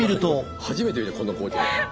初めて見たこんな光景。